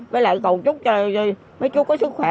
với lại cầu chúc cho mấy chú có sức khỏe